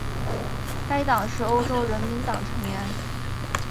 该党是欧洲人民党成员。